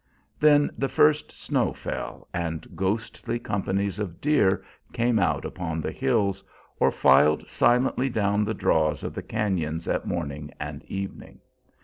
Then the first snow fell, and ghostly companies of deer came out upon the hills, or filed silently down the draws of the cañons at morning and evening.